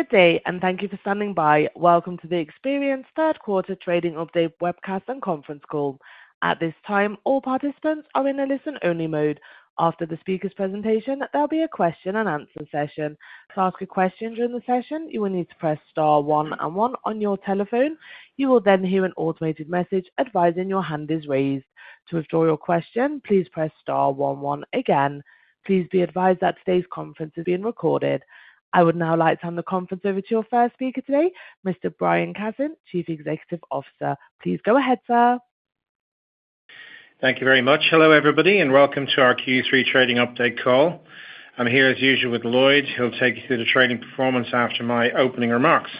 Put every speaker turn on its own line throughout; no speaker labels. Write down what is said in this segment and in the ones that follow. Good day, and thank you for standing by. Welcome to the Experian's third quarter trading update webcast and conference call. At this time, all participants are in a listen-only mode. After the speaker's presentation, there'll be a question-and-answer session. To ask a question during the session, you will need to press star one and one on your telephone. You will then hear an automated message advising your hand is raised. To withdraw your question, please press star one and one again. Please be advised that today's conference is being recorded. I would now like to hand the conference over to your first speaker today, Mr. Brian Cassin, Chief Executive Officer. Please go ahead, sir.
Thank you very much. Hello, everybody, and welcome to our Q3 trading update call. I'm here, as usual, with Lloyd. He'll take you through the trading performance after my opening remarks.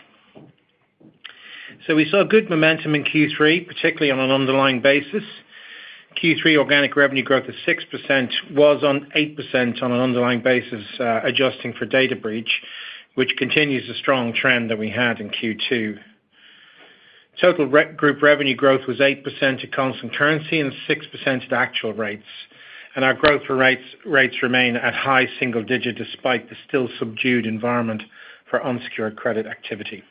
So we saw good momentum in Q3, particularly on an underlying basis. Q3 organic revenue growth of 6% was on 8% on an underlying basis, adjusting for data breach, which continues a strong trend that we had in Q2. Total group revenue growth was 8% to constant currency and 6% to actual rates. And our growth rates remain at high single digit despite the still subdued environment for unsecured credit activity.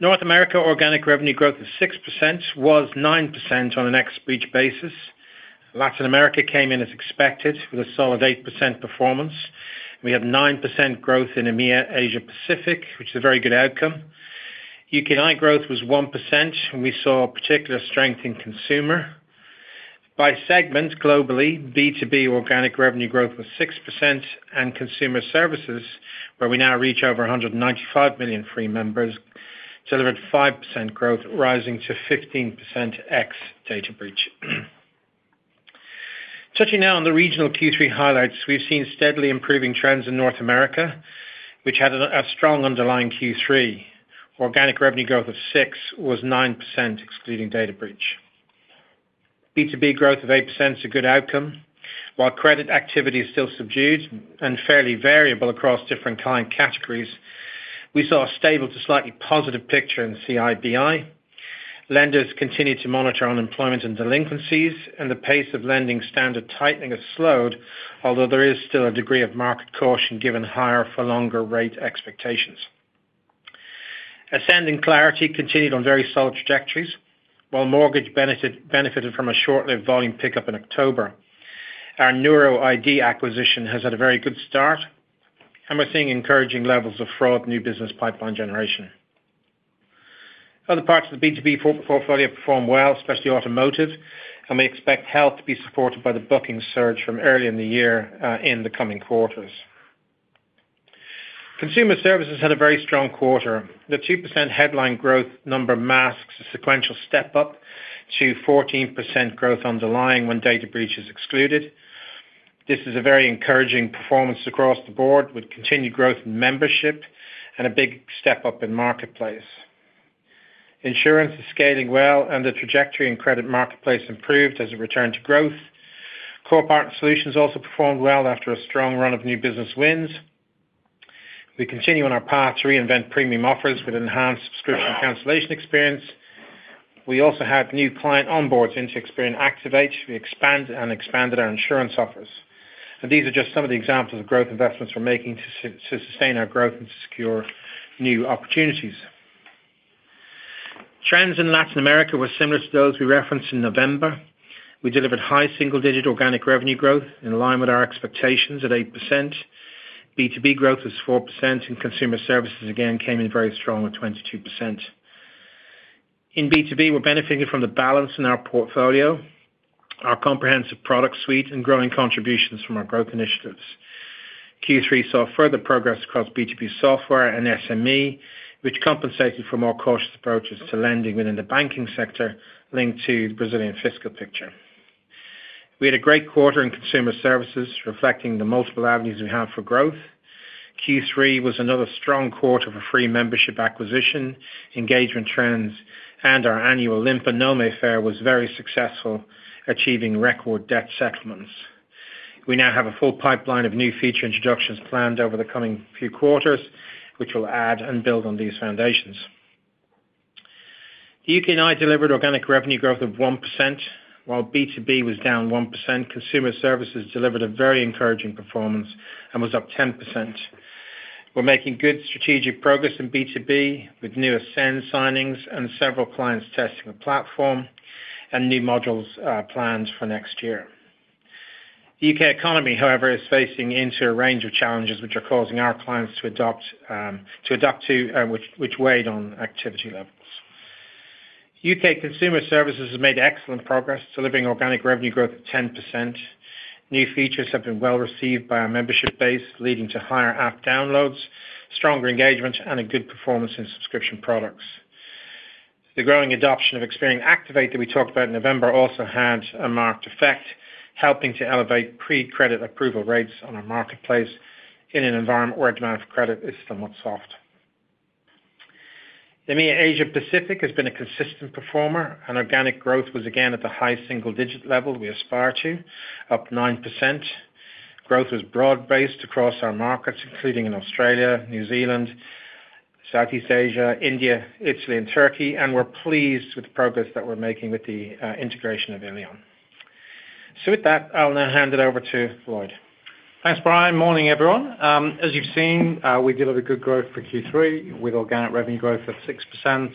North America organic revenue growth of 6% was 9% on an ex-breach basis. Latin America came in, as expected, with a solid 8% performance. We had 9% growth in EMEA Asia Pacific, which is a very good outcome. U.K. growth was 1%, and we saw particular strength in consumer. By segment globally, B2B organic revenue growth was 6%, and consumer services, where we now reach over 195 million free members, delivered 5% growth, rising to 15% ex-data breach. Touching now on the regional Q3 highlights, we've seen steadily improving trends in North America, which had a strong underlying Q3. Organic revenue growth of 6% was 9%, excluding data breach. B2B growth of 8% is a good outcome. While credit activity is still subdued and fairly variable across different client categories, we saw a stable to slightly positive picture in CI/BI. Lenders continue to monitor unemployment and delinquencies, and the pace of lending standard tightening has slowed, although there is still a degree of market caution given higher-for-longer rate expectations. Ascend and Clarity continued on very solid trajectories, while mortgage benefited from a short-lived volume pickup in October. Our NeuroID acquisition has had a very good start, and we're seeing encouraging levels of fraud and new business pipeline generation. Other parts of the B2B portfolio performed well, especially automotive, and we expect health to be supported by the booking surge from early in the year in the coming quarters. Consumer Services had a very strong quarter. The 2% headline growth number masks a sequential step up to 14% growth underlying when Data Breach is excluded. This is a very encouraging performance across the board with continued growth in membership and a big step up in marketplace. Insurance is scaling well, and the trajectory in credit marketplace improved as it returned to growth. Core Partner Solutions also performed well after a strong run of new business wins. We continue on our path to reinvent premium offers with enhanced subscription cancellation experience. We also had new client onboards into Experian Activate to expand and expanded our insurance offers, and these are just some of the examples of growth investments we're making to sustain our growth and to secure new opportunities. Trends in Latin America were similar to those we referenced in November. We delivered high single-digit organic revenue growth in line with our expectations at 8%. B2B growth was 4%, and Consumer Services again came in very strong at 22%. In B2B, we're benefiting from the balance in our portfolio, our comprehensive product suite, and growing contributions from our growth initiatives. Q3 saw further progress across B2B software and SME, which compensated for more cautious approaches to lending within the banking sector linked to the Brazilian fiscal picture. We had a great quarter in Consumer Services, reflecting the multiple avenues we have for growth. Q3 was another strong quarter for free membership acquisition, engagement trends, and our annual Limpa Nome Fair was very successful, achieving record debt settlements. We now have a full pipeline of new feature introductions planned over the coming few quarters, which will add and build on these foundations. The UK&I delivered organic revenue growth of 1%, while B2B was down 1%. Consumer services delivered a very encouraging performance and was up 10%. We're making good strategic progress in B2B with new Ascend signings and several clients testing the platform and new modules planned for next year. The U.K. economy, however, is facing into a range of challenges which are causing our clients to adapt to, which weighed on activity levels. U.K. consumer services have made excellent progress, delivering organic revenue growth of 10%. New features have been well received by our membership base, leading to higher app downloads, stronger engagement, and a good performance in subscription products. The growing adoption of Experian Activate that we talked about in November also had a marked effect, helping to elevate pre-credit approval rates on our marketplace in an environment where demand for credit is somewhat soft. EMEA Asia Pacific has been a consistent performer, and organic growth was again at the high single-digit level we aspire to, up 9%. Growth was broad-based across our markets, including in Australia, New Zealand, Southeast Asia, India, Italy, and Turkey, and we're pleased with the progress that we're making with the integration of illion. So with that, I'll now hand it over to Lloyd.
Thanks, Brian. Morning, everyone. As you've seen, we delivered good growth for Q3 with organic revenue growth of 6%.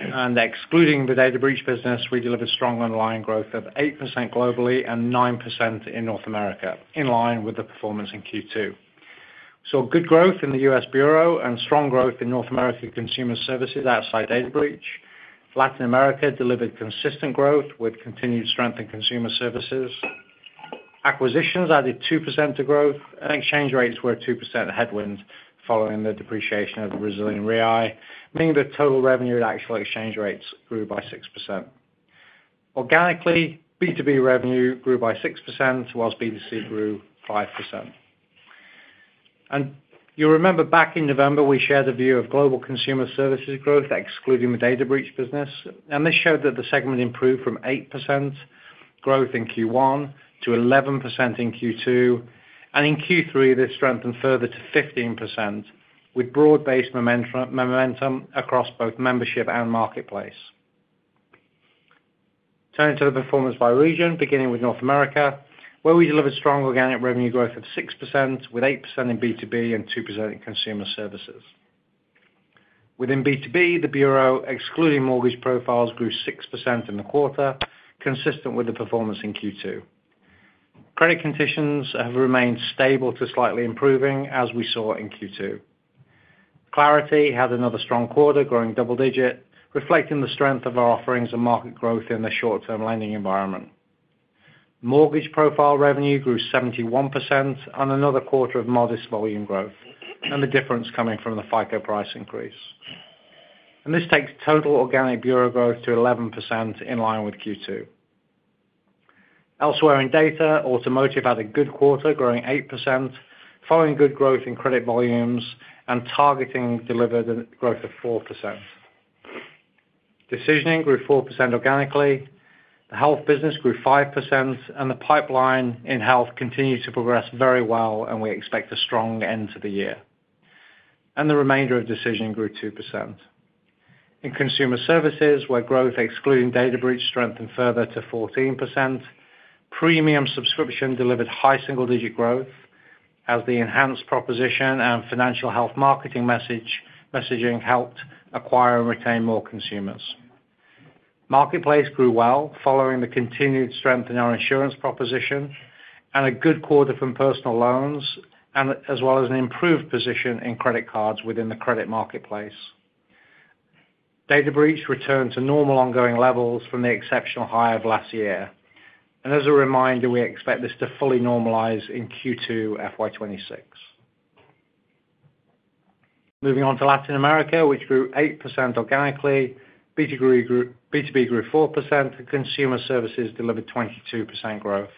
And excluding the data breach business, we delivered strong underlying growth of 8% globally and 9% in North America, in line with the performance in Q2. Saw good growth in the US Bureau and strong growth in North America consumer services outside data breach. Latin America delivered consistent growth with continued strength in consumer services. Acquisitions added 2% to growth, and exchange rates were 2% headwinds following the depreciation of the Brazilian real, meaning the total revenue at actual exchange rates grew by 6%. Organically, B2B revenue grew by 6%, whilst B2C grew 5%. And you'll remember back in November, we shared a view of global consumer services growth, excluding the data breach business. And this showed that the segment improved from 8% growth in Q1 to 11% in Q2. In Q3, this strengthened further to 15% with broad-based momentum across both membership and marketplace. Turning to the performance by region, beginning with North America, where we delivered strong organic revenue growth of 6%, with 8% in B2B and 2% in consumer services. Within B2B, the Bureau, excluding mortgage profiles, grew 6% in the quarter, consistent with the performance in Q2. Credit conditions have remained stable to slightly improving, as we saw in Q2. Clarity had another strong quarter, growing double-digit, reflecting the strength of our offerings and market growth in the short-term lending environment. Mortgage profile revenue grew 71% and another quarter of modest volume growth, and the difference coming from the FICO price increase. This takes total organic Bureau growth to 11% in line with Q2. Elsewhere in data, Automotive had a good quarter, growing 8%, following good growth in credit volumes, and Targeting delivered a growth of 4%. Decisioning grew 4% organically. The Health business grew 5%, and the pipeline in Health continues to progress very well, and we expect a strong end to the year. And the remainder of Decisioning grew 2%. In Consumer Services, where growth, excluding data breach, strengthened further to 14%. Premium subscription delivered high single-digit growth, as the enhanced proposition and financial health marketing messaging helped acquire and retain more consumers. Marketplace grew well, following the continued strength in our insurance proposition and a good quarter from personal loans, as well as an improved position in credit cards within the credit marketplace. Data breach returned to normal ongoing levels from the exceptional high of last year. And as a reminder, we expect this to fully normalize in Q2 FY 2026. Moving on to Latin America, which grew 8% organically. B2B grew 4%, and consumer services delivered 22% growth.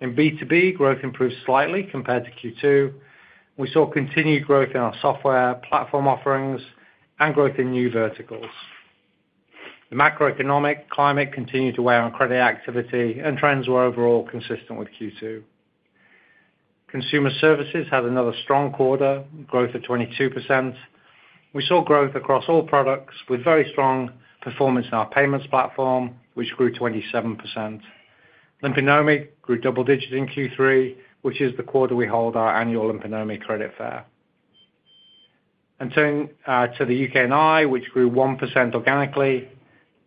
In B2B, growth improved slightly compared to Q2. We saw continued growth in our software, platform offerings, and growth in new verticals. The macroeconomic climate continued to weigh on credit activity, and trends were overall consistent with Q2. Consumer services had another strong quarter, growth of 22%. We saw growth across all products with very strong performance in our payments platform, which grew 27%. Limpa Nome grew double-digit in Q3, which is the quarter we hold our annual Limpa Nome Credit Fair. Turning to the UK&I, which grew 1% organically,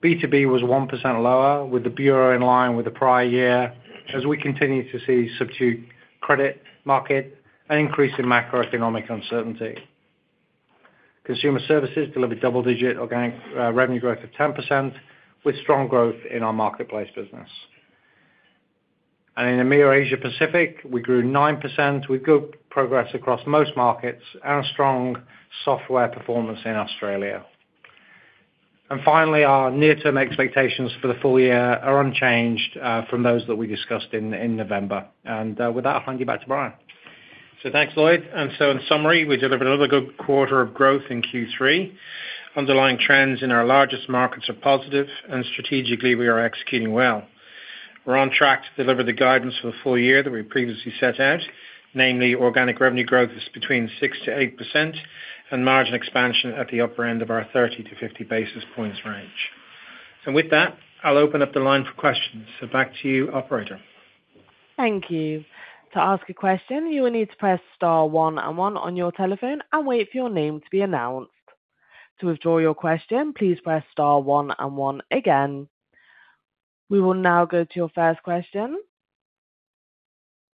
B2B was 1% lower, with the Bureau in line with the prior year, as we continue to see subdued credit market and increasing macroeconomic uncertainty. Consumer services delivered double-digit organic revenue growth of 10%, with strong growth in our marketplace business. In EMEA Asia Pacific, we grew 9%. We've got progress across most markets and strong software performance in Australia. Finally, our near-term expectations for the full year are unchanged from those that we discussed in November. With that, I'll hand you back to Brian.
So thanks, Lloyd. And so in summary, we delivered another good quarter of growth in Q3. Underlying trends in our largest markets are positive, and strategically, we are executing well. We're on track to deliver the guidance for the full year that we previously set out, namely organic revenue growth is between 6%-8%, and margin expansion at the upper end of our 30-50 basis points range. And with that, I'll open up the line for questions. So back to you, operator.
Thank you. To ask a question, you will need to press star one and one on your telephone and wait for your name to be announced. To withdraw your question, please press star one and one again. We will now go to your first question.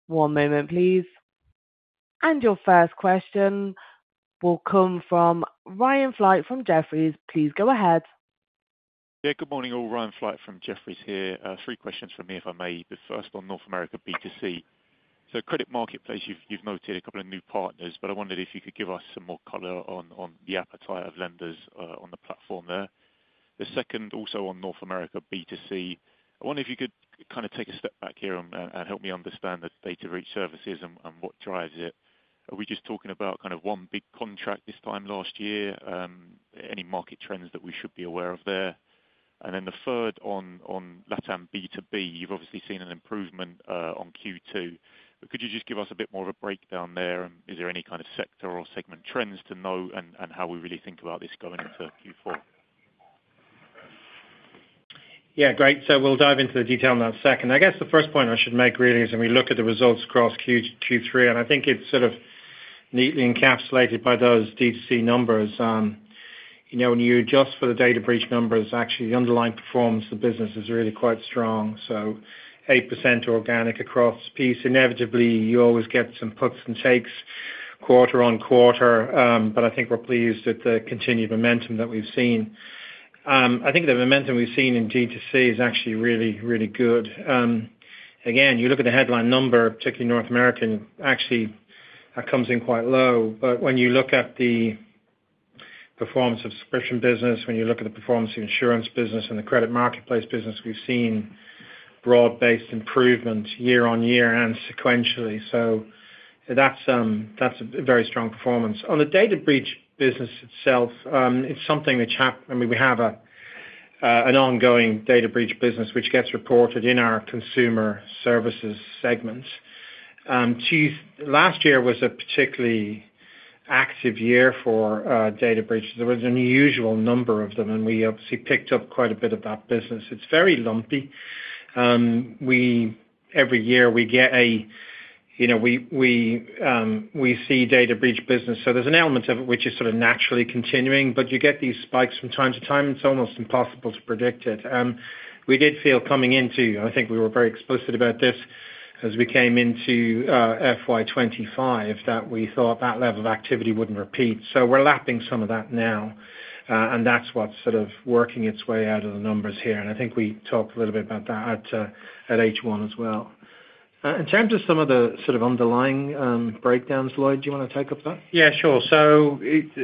One moment, please. And your first question will come from Ryan Flight from Jefferies. Please go ahead.
Yeah, good morning all. Ryan Flight from Jefferies here. Three questions for me, if I may. The first on North America B2C. So credit marketplace, you've noted a couple of new partners, but I wondered if you could give us some more color on the appetite of lenders on the platform there. The second, also on North America B2C, I wonder if you could kind of take a step back here and help me understand the data breach services and what drives it. Are we just talking about kind of one big contract this time last year? Any market trends that we should be aware of there? And then the third on Latin B2B, you've obviously seen an improvement on Q2. Could you just give us a bit more of a breakdown there? Is there any kind of sector or segment trends to note and how we really think about this going into Q4?
Yeah, great. So we'll dive into the detail in a second. I guess the first point I should make really is when we look at the results across Q3, and I think it's sort of neatly encapsulated by those D2C numbers. When you adjust for the data breach numbers, actually the underlying performance of the business is really quite strong. So 8% organic across the piece. Inevitably, you always get some puts and takes quarter on quarter, but I think we're pleased with the continued momentum that we've seen. I think the momentum we've seen in D2C is actually really, really good. Again, you look at the headline number, particularly North American, actually comes in quite low. But when you look at the performance of subscription business, when you look at the performance of insurance business and the credit marketplace business, we've seen broad-based improvement year on year and sequentially. That's a very strong performance. On the data breach business itself, it's something which happened. I mean, we have an ongoing data breach business which gets reported in our Consumer Services segment. Last year was a particularly active year for data breaches. There was an unusual number of them, and we obviously picked up quite a bit of that business. It's very lumpy. Every year we see data breach business. So there's an element of it which is sort of naturally continuing, but you get these spikes from time to time. It's almost impossible to predict it. We did feel coming into, and I think we were very explicit about this as we came into FY 2025, that we thought that level of activity wouldn't repeat. So we're lapping some of that now, and that's what's sort of working its way out of the numbers here. I think we talked a little bit about that at H1 as well. In terms of some of the sort of underlying breakdowns, Lloyd, do you want to take up that?
Yeah, sure. So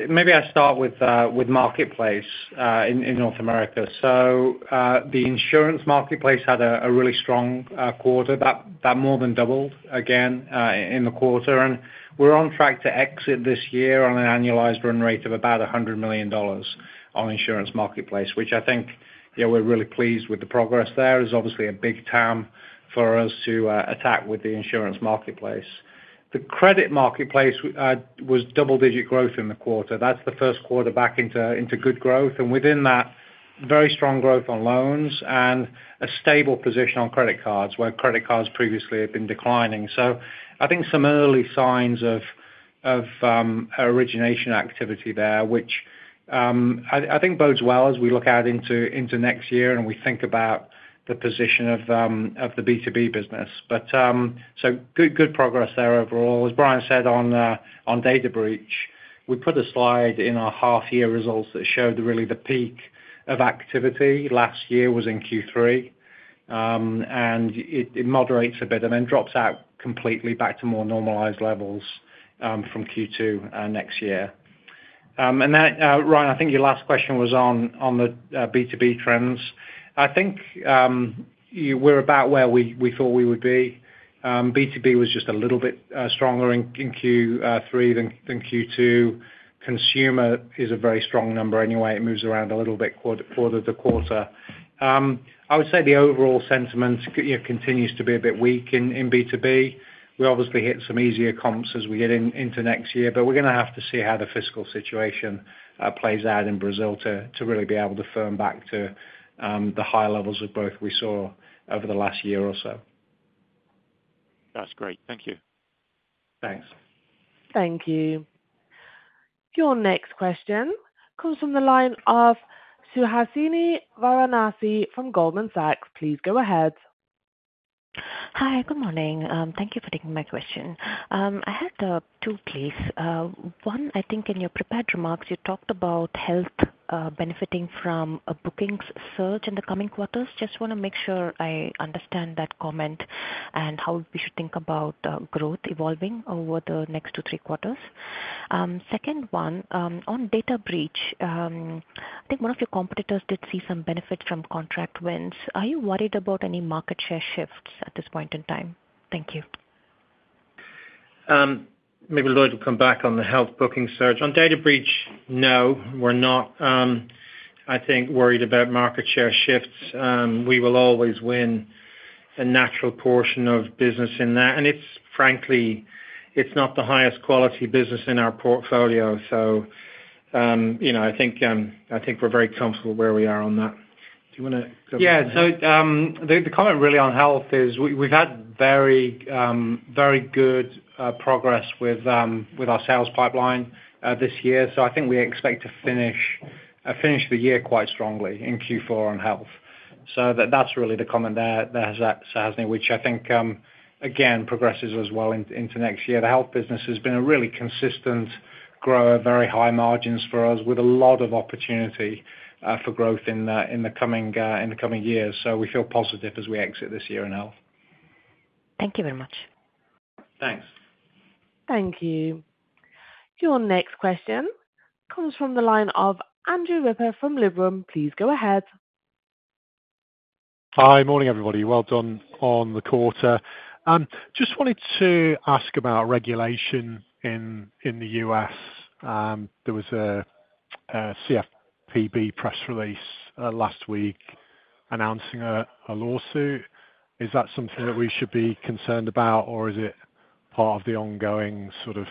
maybe I start with marketplace in North America. So the insurance marketplace had a really strong quarter. That more than doubled again in the quarter. And we're on track to exit this year on an annualized run rate of about $100 million on insurance marketplace, which I think we're really pleased with the progress there. It's obviously a big time for us to attack with the insurance marketplace. The credit marketplace was double-digit growth in the quarter. That's the first quarter back into good growth. And within that, very strong growth on loans and a stable position on credit cards where credit cards previously had been declining. So I think some early signs of origination activity there, which I think bodes well as we look out into next year and we think about the position of the B2B business. But so good progress there overall. As Brian said on data breach, we put a slide in our half-year results that showed really the peak of activity last year was in Q3, and it moderates a bit and then drops out completely back to more normalized levels from Q2 next year. Then, Ryan, I think your last question was on the B2B trends. I think we're about where we thought we would be. B2B was just a little bit stronger in Q3 than Q2. Consumer is a very strong number anyway. It moves around a little bit quarter-to-quarter. I would say the overall sentiment continues to be a bit weak in B2B. We obviously hit some easier comps as we get into next year, but we're going to have to see how the fiscal situation plays out in Brazil to really be able to firm back to the high levels of growth we saw over the last year or so.
That's great. Thank you.
Thanks.
Thank you. Your next question comes from the line of Suhasini Varanasi from Goldman Sachs. Please go ahead.
Hi, good morning. Thank you for taking my question. I had two please. One, I think in your prepared remarks, you talked about health benefiting from a bookings surge in the coming quarters. Just want to make sure I understand that comment and how we should think about growth evolving over the next two, three quarters. Second one, on data breach, I think one of your competitors did see some benefit from contract wins. Are you worried about any market share shifts at this point in time? Thank you.
Maybe Lloyd will come back on the health booking surge. On data breach, no, we're not, I think, worried about market share shifts. We will always win a natural portion of business in that, and frankly, it's not the highest quality business in our portfolio, so I think we're very comfortable where we are on that. Do you want to go?
Yeah. So, the comment really on health is we've had very good progress with our sales pipeline this year. So, I think we expect to finish the year quite strongly in Q4 on health. So, that's really the comment that Suhasini, which I think, again, progresses as well into next year. The health business has been a really consistent grower, very high margins for us, with a lot of opportunity for growth in the coming years. So, we feel positive as we exit this year in health.
Thank you very much.
Thanks.
Thank you. Your next question comes from the line of Andrew Ripper from Liberum. Please go ahead.
Hi, morning everybody. Well done on the quarter. Just wanted to ask about regulation in the U.S. There was a CFPB press release last week announcing a lawsuit. Is that something that we should be concerned about, or is it part of the ongoing sort of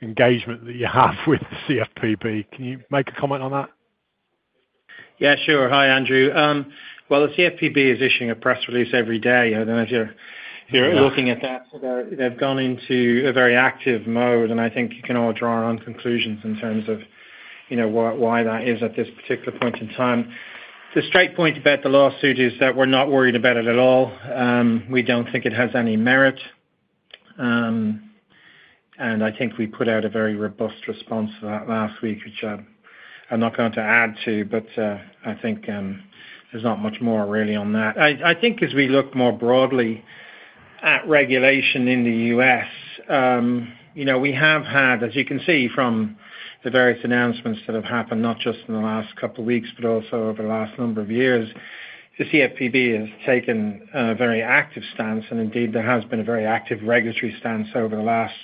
engagement that you have with CFPB? Can you make a comment on that?
Yeah, sure. Hi, Andrew. Well, the CFPB is issuing a press release every day. And as you're looking at that, they've gone into a very active mode. And I think you can all draw your own conclusions in terms of why that is at this particular point in time. The straight point about the lawsuit is that we're not worried about it at all. We don't think it has any merit. And I think we put out a very robust response to that last week, which I'm not going to add to, but I think there's not much more really on that. I think as we look more broadly at regulation in the U.S., we have had, as you can see from the various announcements that have happened, not just in the last couple of weeks, but also over the last number of years, the CFPB has taken a very active stance, and indeed, there has been a very active regulatory stance over the last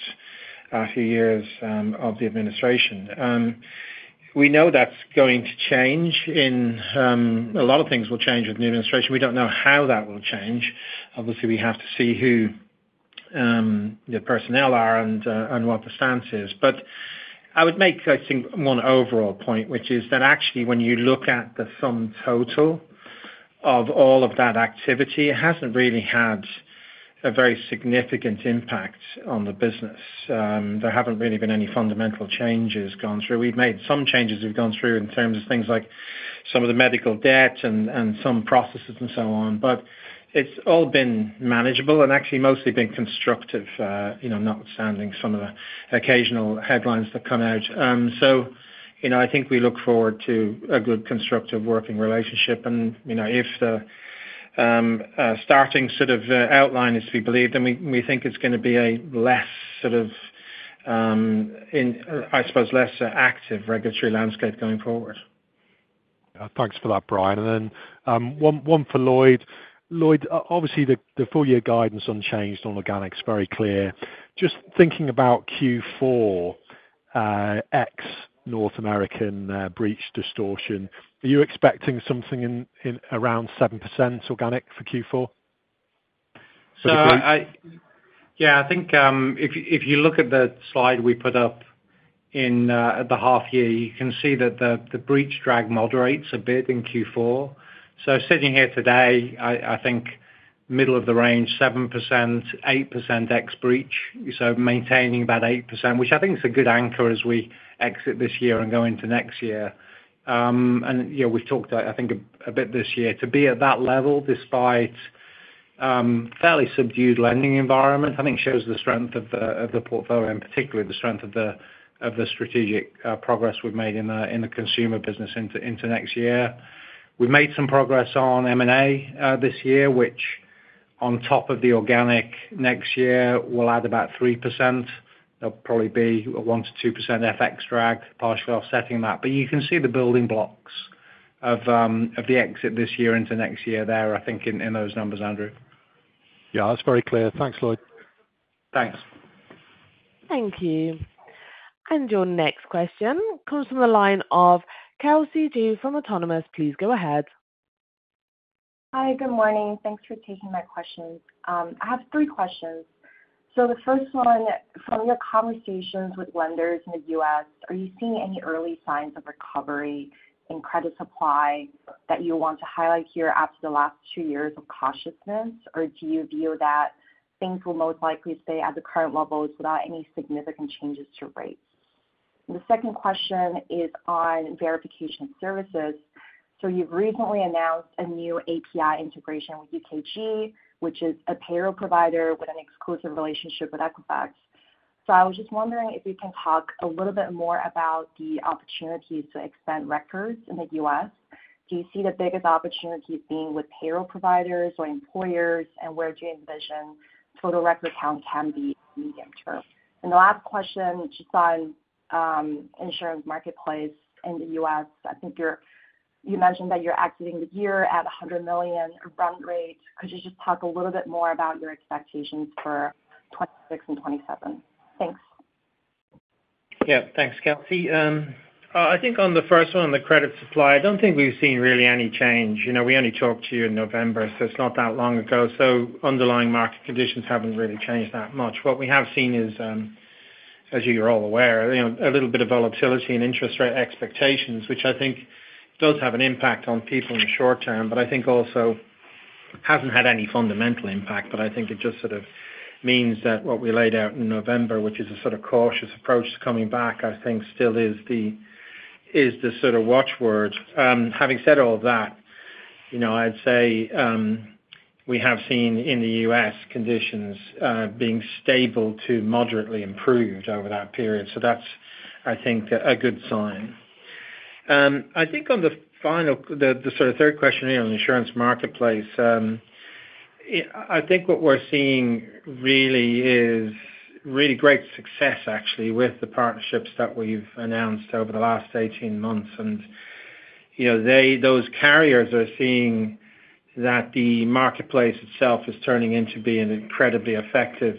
few years of the administration. We know that's going to change. A lot of things will change with the new administration. We don't know how that will change. Obviously, we have to see who the personnel are and what the stance is, but I would make, I think, one overall point, which is that actually when you look at the sum total of all of that activity, it hasn't really had a very significant impact on the business. There haven't really been any fundamental changes gone through. We've made some changes we've gone through in terms of things like some of the medical debt and some processes and so on, but it's all been manageable and actually mostly been constructive, notwithstanding some of the occasional headlines that come out, so I think we look forward to a good constructive working relationship, and if the starting sort of outline is to be believed, then we think it's going to be a less sort of, I suppose, less active regulatory landscape going forward.
Thanks for that, Brian. And then one for Lloyd. Lloyd, obviously the full year guidance unchanged on organic is very clear. Just thinking about Q4 ex North American breach distortion, are you expecting something around 7% organic for Q4?
Yeah, I think if you look at the slide we put up in the half year, you can see that the breach drag moderates a bit in Q4. So sitting here today, I think middle of the range, 7%-8% ex breach, so maintaining about 8%, which I think is a good anchor as we exit this year and go into next year. And we've talked, I think, a bit this year. To be at that level despite a fairly subdued lending environment, I think shows the strength of the portfolio and particularly the strength of the strategic progress we've made in the consumer business into next year. We've made some progress on M&A this year, which on top of the organic next year will add about 3%. There'll probably be 1%-2% FX drag partially offsetting that. But you can see the building blocks of the exit this year into next year there, I think, in those numbers, Andrew.
Yeah, that's very clear. Thanks, Lloyd.
Thanks.
Thank you. And your next question comes from the line of Kelsey Zhu from Autonomous. Please go ahead.
Hi, good morning. Thanks for taking my questions. I have three questions. So the first one, from your conversations with lenders in the U.S., are you seeing any early signs of recovery in credit supply that you want to highlight here after the last two years of cautiousness? Or do you view that things will most likely stay at the current levels without any significant changes to rates? The second question is on verification services. So you've recently announced a new API integration with UKG, which is a payroll provider with an exclusive relationship with Equifax. So I was just wondering if you can talk a little bit more about the opportunities to expand records in the U.S. Do you see the biggest opportunities being with payroll providers or employers? And where do you envision total record count can be in the medium term? And the last question just on insurance marketplace in the U.S., I think you mentioned that you're exiting the year at $100 million run rate. Could you just talk a little bit more about your expectations for 2026 and 2027? Thanks.
Yeah, thanks, Kelsey. I think on the first one, the credit supply, I don't think we've seen really any change. We only talked to you in November, so it's not that long ago. So underlying market conditions haven't really changed that much. What we have seen is, as you're all aware, a little bit of volatility in interest rate expectations, which I think does have an impact on people in the short term, but I think also hasn't had any fundamental impact. But I think it just sort of means that what we laid out in November, which is a sort of cautious approach to coming back, I think still is the sort of watchword. Having said all that, I'd say we have seen in the U.S. conditions being stable to moderately improved over that period. So that's, I think, a good sign. I think on the final, the sort of third question here on insurance marketplace, I think what we're seeing really is really great success, actually, with the partnerships that we've announced over the last 18 months, and those carriers are seeing that the marketplace itself is turning into being an incredibly effective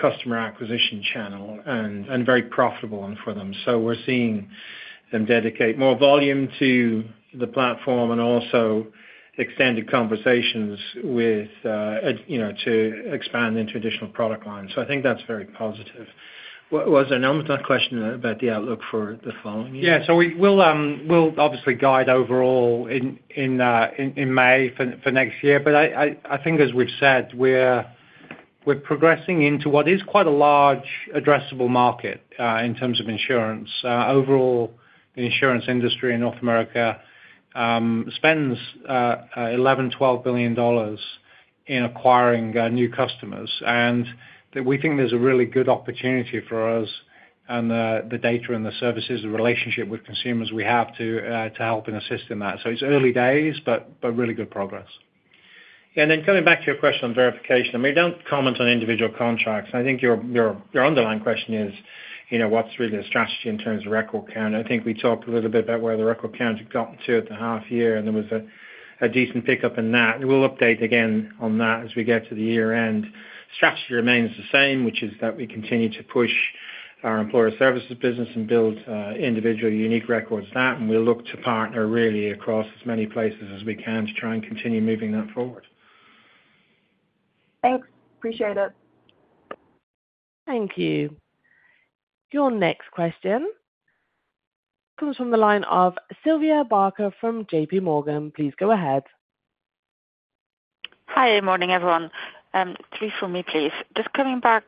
customer acquisition channel and very profitable for them, so we're seeing them dedicate more volume to the platform and also extended conversations to expand into additional product lines, so I think that's very positive. Was there another question about the outlook for the following year?
Yeah, so we'll obviously guide overall in May for next year, but I think, as we've said, we're progressing into what is quite a large addressable market in terms of insurance. Overall, the insurance industry in North America spends $11 billion-$12 billion in acquiring new customers, and we think there's a really good opportunity for us and the data and the services, the relationship with consumers we have to help and assist in that. So it's early days, but really good progress.
Yeah. And then coming back to your question on verification, we don't comment on individual contracts. I think your underlying question is what's really the strategy in terms of record count? I think we talked a little bit about where the record count had gotten to at the half year, and there was a decent pickup in that. We'll update again on that as we get to the year-end. Strategy remains the same, which is that we continue to push our employer services business and build individual unique records there. And we'll look to partner really across as many places as we can to try and continue moving that forward.
Thanks. Appreciate it.
Thank you. Your next question comes from the line of Sylvia Barker from J.P. Morgan. Please go ahead.
Hi, good morning, everyone. Three for me, please. Just coming back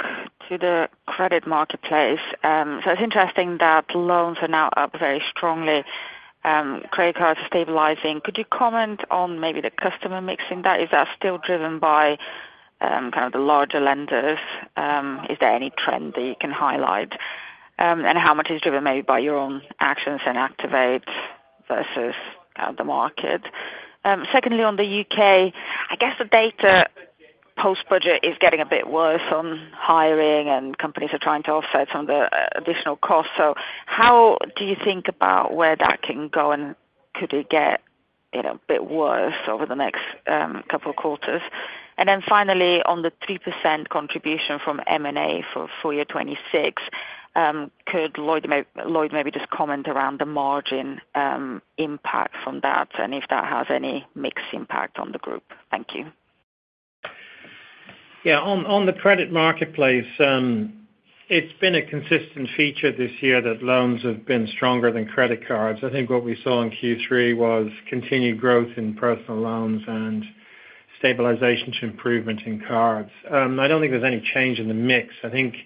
to the credit marketplace. So it's interesting that loans are now up very strongly, credit cards are stabilizing. Could you comment on maybe the customer mix? Is that still driven by kind of the larger lenders? Is there any trend that you can highlight? And how much is driven maybe by your own actions and activities versus the market? Secondly, on the U.K., I guess the data post-budget is getting a bit worse on hiring, and companies are trying to offset some of the additional costs. So how do you think about where that can go? And could it get a bit worse over the next couple of quarters? And then finally, on the 3% contribution from M&A for full year 2026, could Lloyd maybe just comment around the margin impact from that and if that has any mixed impact on the group? Thank you.
Yeah. On the credit marketplace, it's been a consistent feature this year that loans have been stronger than credit cards. I think what we saw in Q3 was continued growth in personal loans and stabilization to improvement in cards. I don't think there's any change in the mix. I think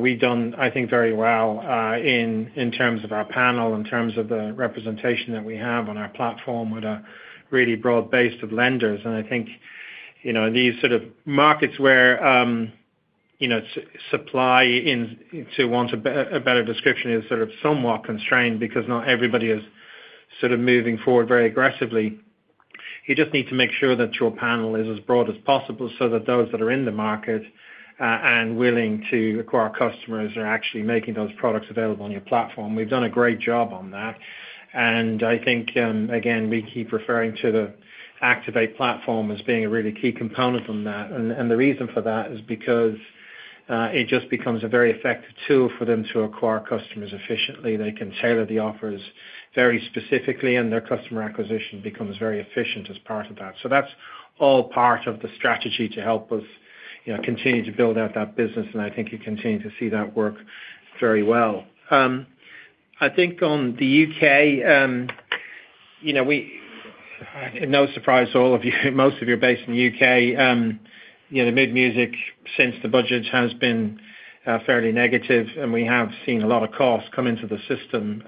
we've done, I think, very well in terms of our panel, in terms of the representation that we have on our platform with a really broad base of lenders. And I think these sort of markets where supply into want a better description is sort of somewhat constrained because not everybody is sort of moving forward very aggressively. You just need to make sure that your panel is as broad as possible so that those that are in the market and willing to acquire customers are actually making those products available on your platform. We've done a great job on that. And I think, again, we keep referring to the Activate platform as being a really key component on that. And the reason for that is because it just becomes a very effective tool for them to acquire customers efficiently. They can tailor the offers very specifically, and their customer acquisition becomes very efficient as part of that. So that's all part of the strategy to help us continue to build out that business. And I think you continue to see that work very well. I think on the U.K., no surprise to all of you, most of you are based in the U.K. The mood music since the budget has been fairly negative, and we have seen a lot of costs come into the system,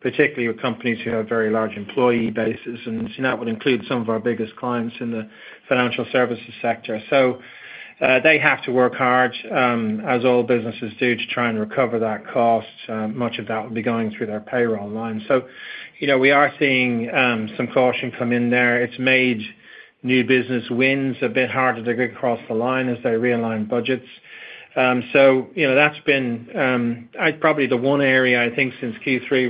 particularly with companies who have very large employee bases. And that would include some of our biggest clients in the financial services sector. So they have to work hard, as all businesses do, to try and recover that cost. Much of that will be going through their payroll line. So we are seeing some caution come in there. It's made new business wins a bit harder to get across the line as they realign budgets. So that's been probably the one area, I think, since Q3,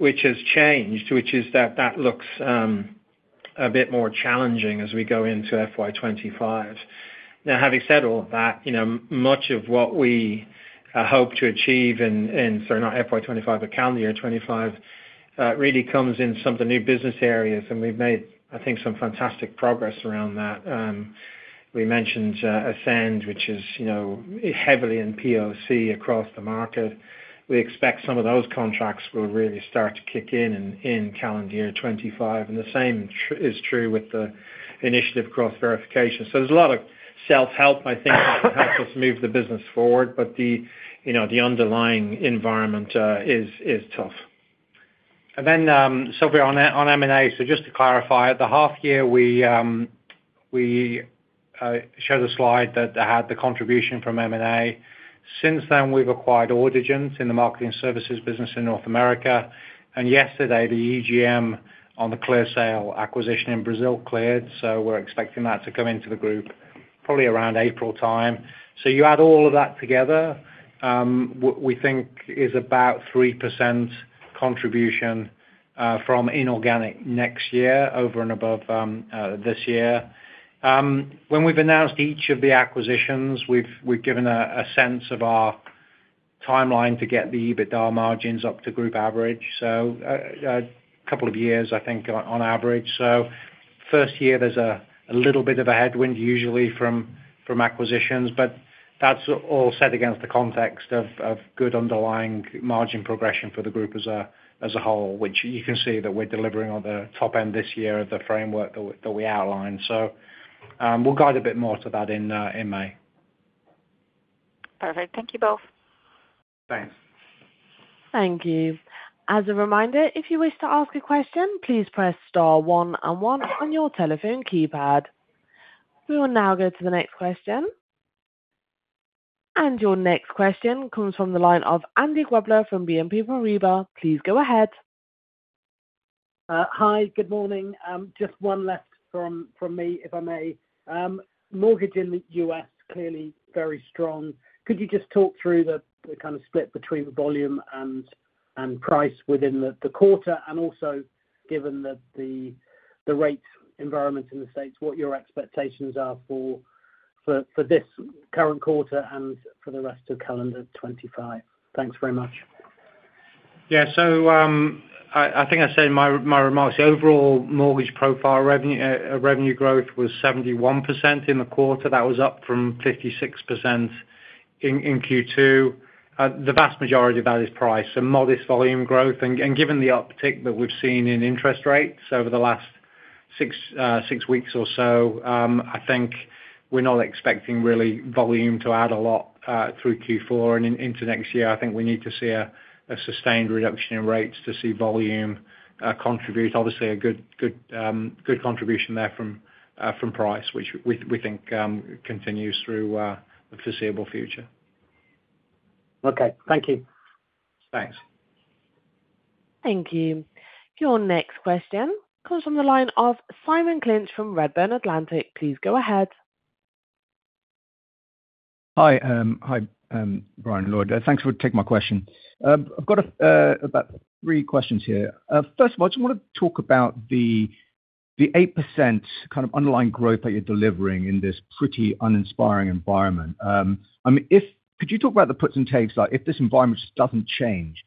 which has changed, which is that that looks a bit more challenging as we go into FY 2025. Now, having said all of that, much of what we hope to achieve in, sorry, not FY 2025, but calendar year 2025, really comes in some of the new business areas. And we've made, I think, some fantastic progress around that. We mentioned Ascend, which is heavily in POC across the market. We expect some of those contracts will really start to kick in in calendar year 2025. And the same is true with the initiative cross-verification. So there's a lot of self-help, I think, that could help us move the business forward. But the underlying environment is tough. And then, so on M&A, so just to clarify, the half year, we showed a slide that had the contribution from M&A. Since then, we've acquired Audigent in the marketing services business in North America. And yesterday, the EGM on the ClearSale acquisition in Brazil cleared. So we're expecting that to come into the group probably around April time. So you add all of that together, we think is about 3% contribution from inorganic next year over and above this year. When we've announced each of the acquisitions, we've given a sense of our timeline to get the EBITDA margins up to group average. So a couple of years, I think, on average. So first year, there's a little bit of a headwind usually from acquisitions. But that's all set against the context of good underlying margin progression for the group as a whole, which you can see that we're delivering on the top end this year of the framework that we outlined. So we'll guide a bit more to that in May.
Perfect. Thank you both.
Thanks.
Thank you. As a reminder, if you wish to ask a question, please press star one and one on your telephone keypad. We will now go to the next question. And your next question comes from the line of Andy Grobler from BNP Paribas. Please go ahead.
Hi, good morning. Just one left from me, if I may. Mortgage in the U.S., clearly very strong. Could you just talk through the kind of split between volume and price within the quarter? And also, given the rate environment in the States, what your expectations are for this current quarter and for the rest of calendar 2025? Thanks very much.
Yeah. So I think I said in my remarks, the overall mortgage profile revenue growth was 71% in the quarter. That was up from 56% in Q2. The vast majority of that is price, a modest volume growth. And given the uptick that we've seen in interest rates over the last six weeks or so, I think we're not expecting really volume to add a lot through Q4 and into next year. I think we need to see a sustained reduction in rates to see volume contribute. Obviously, a good contribution there from price, which we think continues through the foreseeable future.
Okay. Thank you.
Thanks.
Thank you. Your next question comes from the line of Simon Clinch from Redburn Atlantic. Please go ahead.
Hi. Hi, Brian and Lloyd. Thanks for taking my question. I've got about three questions here. First of all, I just want to talk about the 8% kind of underlying growth that you're delivering in this pretty uninspiring environment. I mean, could you talk about the puts and takes? If this environment just doesn't change,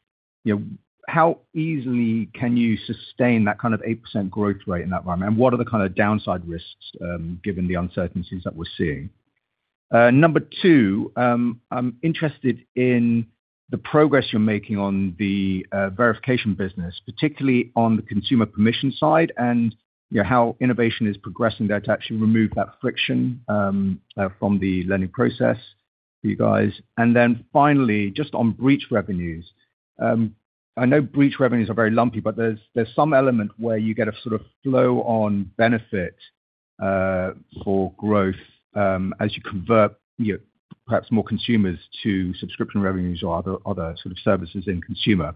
how easily can you sustain that kind of 8% growth rate in that environment? And what are the kind of downside risks given the uncertainties that we're seeing? Number two, I'm interested in the progress you're making on the verification business, particularly on the consumer permission side and how innovation is progressing there to actually remove that friction from the lending process for you guys. And then finally, just on breach revenues, I know breach revenues are very lumpy, but there's some element where you get a sort of flow-on benefit for growth as you convert perhaps more consumers to subscription revenues or other sort of services in consumer.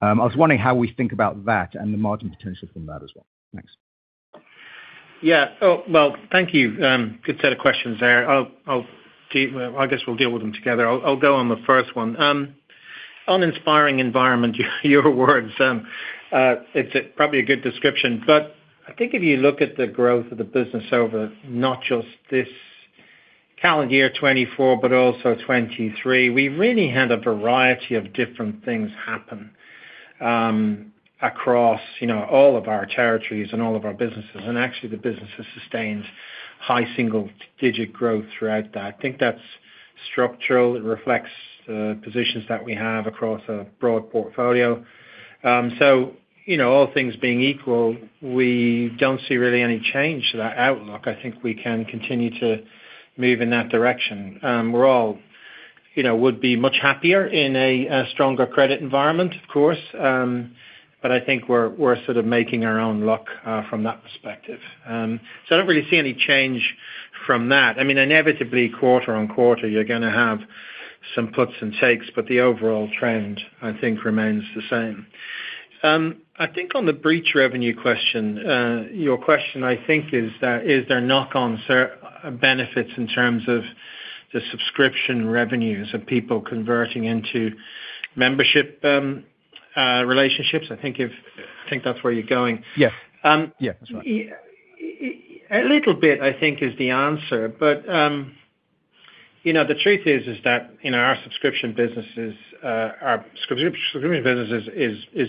I was wondering how we think about that and the margin potential from that as well. Thanks.
Yeah, well, thank you. Good set of questions there. I guess we'll deal with them together. I'll go on the first one. Uninspiring environment, your words. It's probably a good description, but I think if you look at the growth of the business over not just this calendar year 2024, but also 2023, we really had a variety of different things happen across all of our territories and all of our businesses, and actually, the business has sustained high single-digit growth throughout that. I think that's structural. It reflects the positions that we have across a broad portfolio, so all things being equal, we don't see really any change to that outlook. I think we can continue to move in that direction. We all would be much happier in a stronger credit environment, of course, but I think we're sort of making our own luck from that perspective. So I don't really see any change from that. I mean, inevitably, quarter on quarter, you're going to have some puts and takes, but the overall trend, I think, remains the same. I think on the breach revenue question, your question, I think, is that is there knock-on benefits in terms of the subscription revenues of people converting into membership relationships? I think that's where you're going.
Yeah. Yeah. That's right.
A little bit, I think, is the answer. But the truth is that our subscription businesses are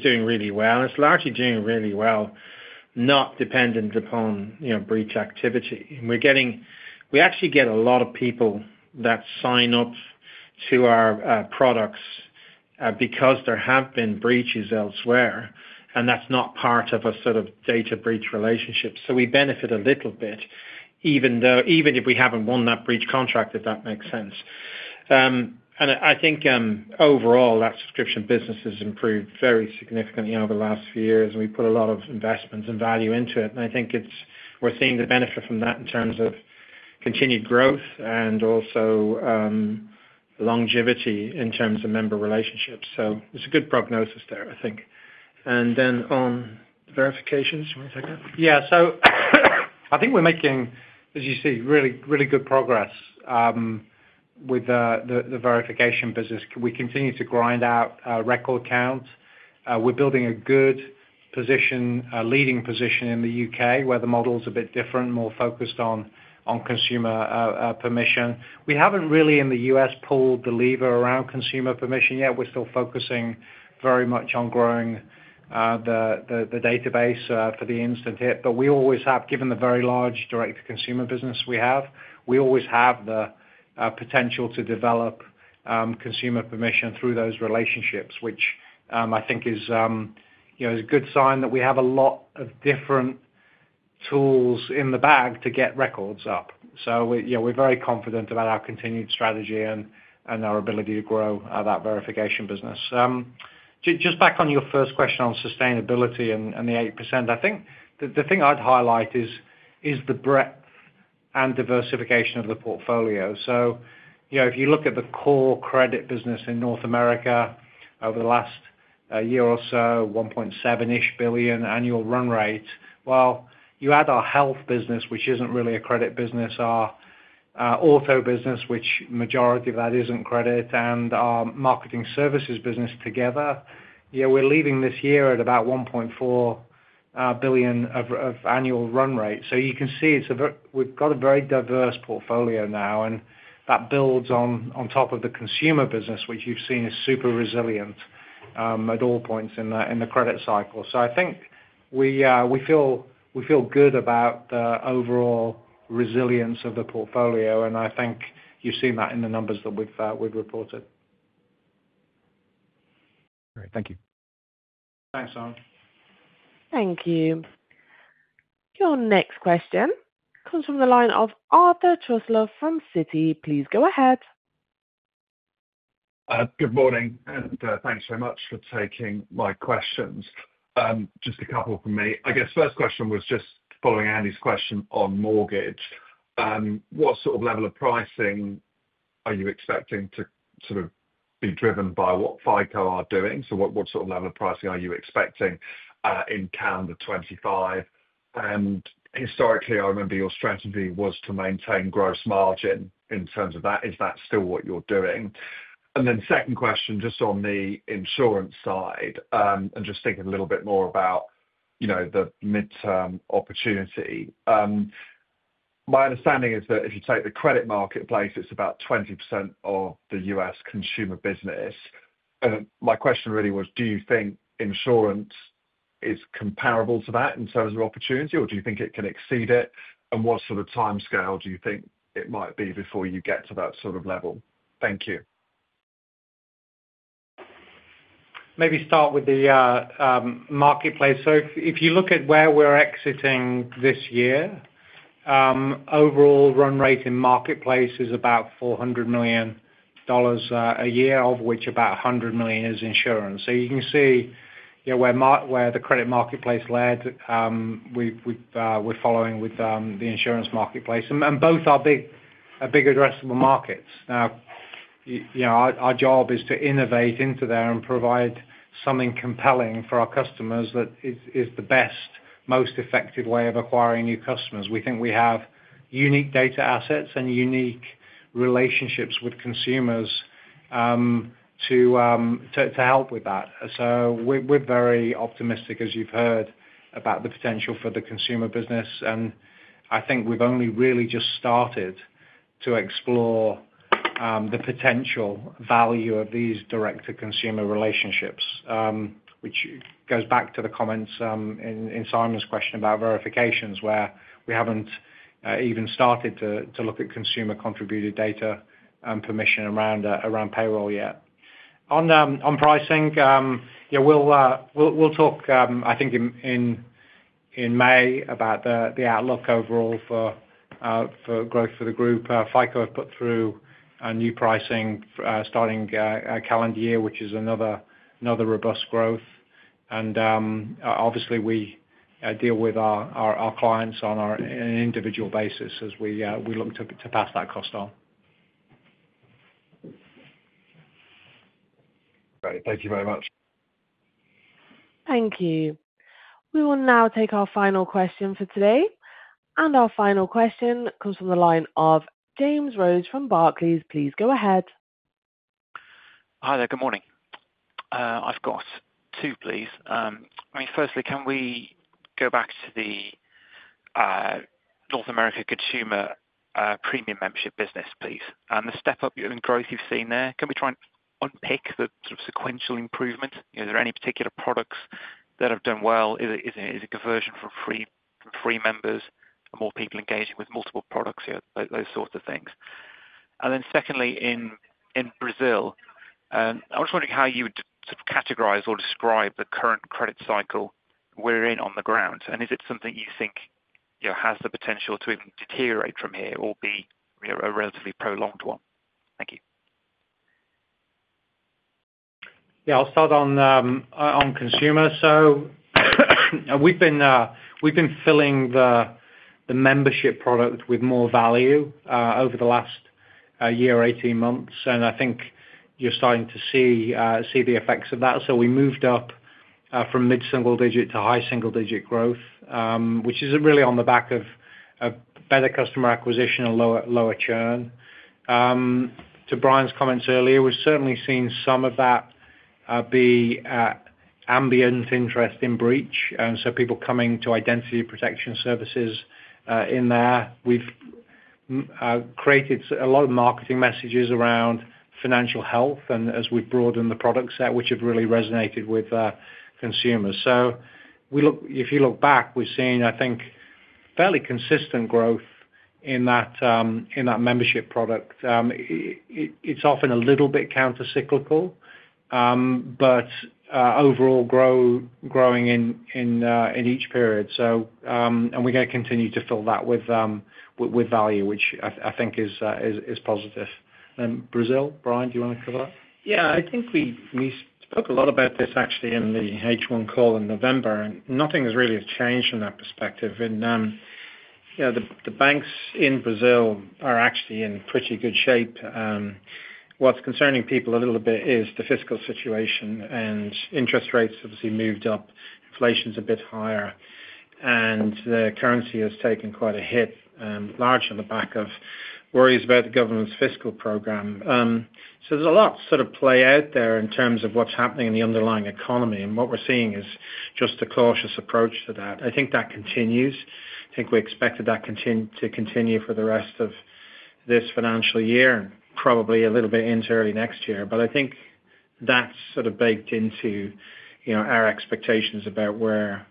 doing really well. It's largely doing really well, not dependent upon breach activity. And we actually get a lot of people that sign up to our products because there have been breaches elsewhere. And that's not part of a sort of data breach relationship. So we benefit a little bit, even if we haven't won that breach contract, if that makes sense. And I think overall, that subscription business has improved very significantly over the last few years. And we put a lot of investments and value into it. And I think we're seeing the benefit from that in terms of continued growth and also longevity in terms of member relationships. So it's a good prognosis there, I think. And then on verifications, you want to take that?
Yeah. So I think we're making, as you see, really, really good progress with the verification business. We continue to grind out record counts. We're building a good position, a leading position in the U.K., where the model's a bit different, more focused on consumer permission. We haven't really in the U.S. pulled the lever around consumer permission yet. We're still focusing very much on growing the database for the instant hit. But we always have, given the very large direct-to-consumer business we have, we always have the potential to develop consumer permission through those relationships, which I think is a good sign that we have a lot of different tools in the bag to get records up. So we're very confident about our continued strategy and our ability to grow that verification business. Just back on your first question on sustainability and the 8%, I think the thing I'd highlight is the breadth and diversification of the portfolio. So if you look at the core credit business in North America over the last year or so, $1.7 billion-ish annual run rate. Well, you add our health business, which isn't really a credit business, our auto business, which majority of that isn't credit, and our marketing services business together, we're leaving this year at about $1.4 billion of annual run rate. So you can see we've got a very diverse portfolio now. And that builds on top of the consumer business, which you've seen is super resilient at all points in the credit cycle. So I think we feel good about the overall resilience of the portfolio. And I think you've seen that in the numbers that we've reported.
Great. Thank you.
Thanks, Simon.
Thank you. Your next question comes from the line of Arthur Truslove from Citi. Please go ahead.
Good morning. And thanks so much for taking my questions. Just a couple from me. I guess first question was just following Andy's question on mortgage. What sort of level of pricing are you expecting to sort of be driven by what FICO are doing? So what sort of level of pricing are you expecting in calendar 2025? And historically, I remember your strategy was to maintain gross margin in terms of that. Is that still what you're doing? And then second question, just on the insurance side, and just thinking a little bit more about the midterm opportunity. My understanding is that if you take the credit marketplace, it's about 20% of the U.S. consumer business. My question really was, do you think insurance is comparable to that in terms of opportunity, or do you think it can exceed it? What sort of timescale do you think it might be before you get to that sort of level? Thank you.
Maybe start with the marketplace. So if you look at where we're exiting this year, overall run rate in marketplace is about $400 million a year, of which about $100 million is insurance. So you can see where the credit marketplace led, we're following with the insurance marketplace. And both are big addressable markets. Now, our job is to innovate into there and provide something compelling for our customers that is the best, most effective way of acquiring new customers. We think we have unique data assets and unique relationships with consumers to help with that. So we're very optimistic, as you've heard, about the potential for the consumer business. I think we've only really just started to explore the potential value of these direct-to-consumer relationships, which goes back to the comments in Simon's question about verifications, where we haven't even started to look at consumer-contributed data permission around payroll yet. On pricing, we'll talk, I think, in May about the outlook overall for growth for the group. FICO have put through new pricing starting calendar year, which is another robust growth. Obviously, we deal with our clients on an individual basis as we look to pass that cost on.
Great. Thank you very much.
Thank you. We will now take our final question for today. And our final question comes from the line of James Rose from Barclays. Please go ahead.
Hi there. Good morning. I've got two, please. I mean, firstly, can we go back to the North America consumer premium membership business, please? And the step-up in growth you've seen there, can we try and unpick the sort of sequential improvement? Is there any particular products that have done well? Is it conversion from free members and more people engaging with multiple products, those sorts of things? And then secondly, in Brazil, I was wondering how you would sort of categorize or describe the current credit cycle we're in on the ground. And is it something you think has the potential to even deteriorate from here or be a relatively prolonged one? Thank you.
Yeah. I'll start on consumer. So we've been filling the membership product with more value over the last year, 18 months. And I think you're starting to see the effects of that. So we moved up from mid-single digit to high single digit growth, which is really on the back of better customer acquisition and lower churn. To Brian's comments earlier, we've certainly seen some of that be ambient interest in breach, so people coming to identity protection services in there. We've created a lot of marketing messages around financial health and as we've broadened the product set, which have really resonated with consumers. So if you look back, we've seen, I think, fairly consistent growth in that membership product. It's often a little bit countercyclical, but overall growing in each period. And we're going to continue to fill that with value, which I think is positive. Brazil, Brian, do you want to cover that?
Yeah. I think we spoke a lot about this, actually, in the H1 call in November. And nothing has really changed from that perspective. And the banks in Brazil are actually in pretty good shape. What's concerning people a little bit is the fiscal situation. And interest rates have obviously moved up. Inflation's a bit higher. And the currency has taken quite a hit, largely on the back of worries about the government's fiscal program. So there's a lot sort of play out there in terms of what's happening in the underlying economy. And what we're seeing is just a cautious approach to that. I think that continues. I think we expected that to continue for the rest of this financial year and probably a little bit into early next year. But I think that's sort of baked into our expectations about where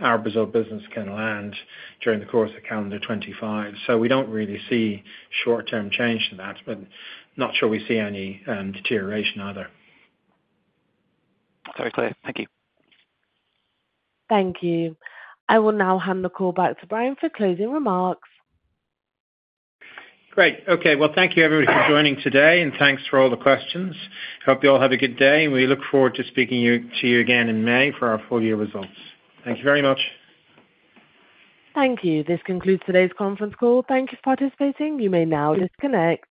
our Brazil business can land during the course of calendar 2025. So we don't really see short-term change to that, but not sure we see any deterioration either.
Very clear. Thank you.
Thank you. I will now hand the call back to Brian for closing remarks.
Great. Okay, well, thank you, everybody, for joining today, and thanks for all the questions. Hope you all have a good day, and we look forward to speaking to you again in May for our full year results. Thank you very much.
Thank you. This concludes today's conference call. Thank you for participating. You may now disconnect.